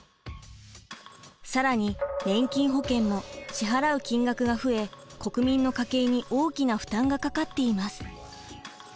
更に年金保険も支払う金額が増え国民の家計に大きな負担がかかっています。